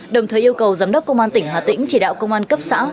đồng thời yêu cầu giám đốc công an tỉnh hà tĩnh chỉ đạo công an cấp xã